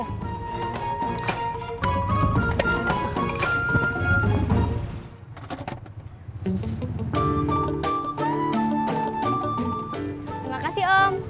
terima kasih om